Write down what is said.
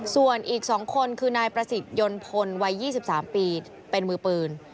ส่วนอีก๒คนคือนายประสิทธิ์ยนต์พลวัย๒๓ปีเป็นมือปืน